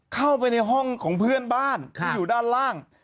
เข้าไปในห้องของเพื่อนบ้านที่อยู่ด้านล่าง